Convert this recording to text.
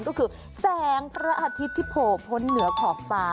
ก็คือแสงพระอาทิตย์ที่โผล่พ้นเหนือขอบฟ้า